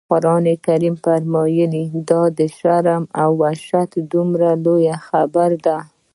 قرآن فرمایي: دا د شرم او وحشت دومره لویه خبره ده.